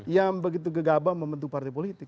yang begitu gegabah membentuk partai politik